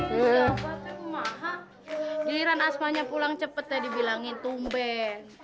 ya apa pak ma'a giliran asma pulang cepat dibilang tumben